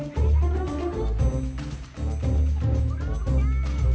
เพื่อนรับทราบ